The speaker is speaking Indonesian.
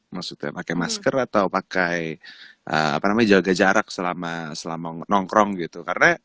maksudnya pakai masker atau pakai apa namanya jaga jarak selama nongkrong gitu